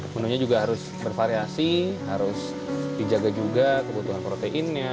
menunya juga harus bervariasi harus dijaga juga kebutuhan proteinnya